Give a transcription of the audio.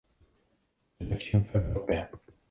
Především v Evropě.